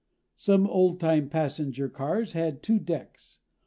Some old time passenger cars had two decks.